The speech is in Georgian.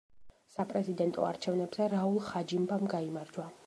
საპრეზიდენტო არჩევნებზე რაულ ხაჯიმბამ გაიმარჯვა.